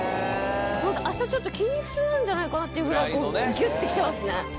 明日ちょっと筋肉痛なんじゃないかなっていうぐらいギュって来てますね。